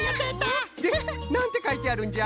でなんてかいてあるんじゃ？